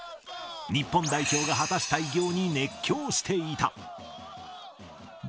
日本代表が果たした偉業に熱狂していた。